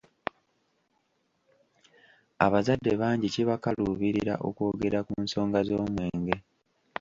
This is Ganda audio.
Abazadde bangi kibakaluubirira okwogera ku nsonga z’omwenge.